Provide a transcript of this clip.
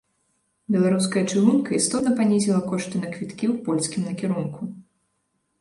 Беларуская чыгунка істотна панізіла кошты на квіткі ў польскім накірунку.